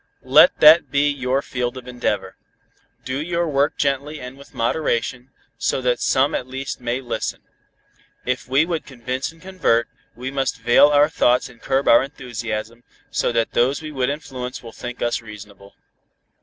"Let that be your field of endeavor. Do your work gently and with moderation, so that some at least may listen. If we would convince and convert, we must veil our thoughts and curb our enthusiasm, so that those we would influence will think us reasonable."